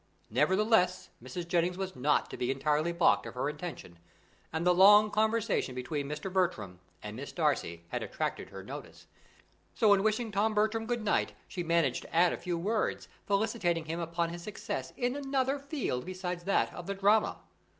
Nevertheless, Mrs. Jennings was not to be entirely baulked of her intention, and the long conversation between Mr. Bertram and Miss Darcy had attracted her notice; so in wishing Tom Bertram good night, she managed to add a few words, felicitating him upon his success in another field besides that of the drama.